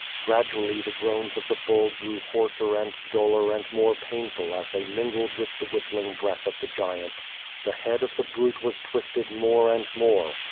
Gradually the groans of the bull grew hoarser and duller and more painful as they mingled with the whistling breath of the giant. The head of the brute was twisted more and more.